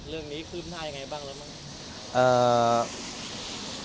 เรื่องนี้คืบหน้าอย่างไรบ้างแล้วมั้ง